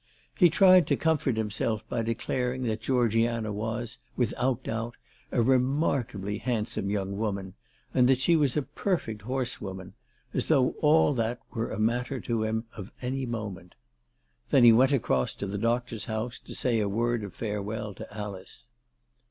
He tried to comfort himself by declaring that Greorgiana was, with out doubt, a remarkably handsome young woman, and that she was a perfect horsewoman, as though all that were a matter to him of any moment ! Then he went across to the doctor's house to say a word of fare well to Alice.